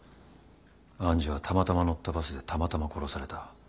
愛珠はたまたま乗ったバスでたまたま殺された。